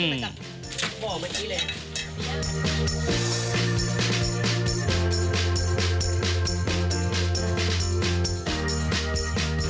พูดไปจากบอกเมื่อกี้เลย